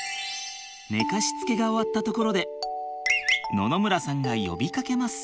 寝かしつけが終わったところで野々村さんが呼びかけます。